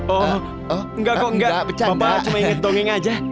oh nggak kok nggak bapak cuma inget dongeng aja